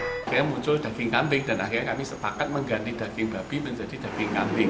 akhirnya muncul daging kambing dan akhirnya kami sepakat mengganti daging babi menjadi daging kambing